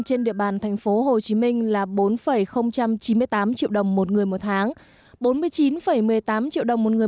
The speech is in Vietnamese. trên địa bàn thành phố hồ chí minh là bốn chín mươi tám triệu đồng một người